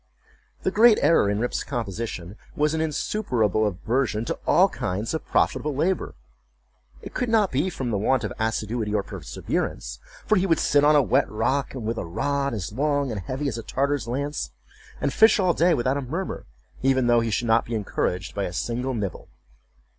The great error in Rip's composition was an insuperable aversion to all kinds of profitable labor. It could not be from the want of assiduity or perseverance; for he would sit on a wet rock, with a rod as long and heavy as a Tartar's lance, and fish all day without a murmur, even though he should not be encouraged by a single nibble.